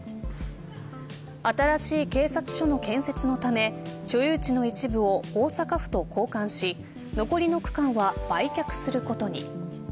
新しい警察署の建設のため所有地の一部を大阪府と交換し残りの区間は売却することに。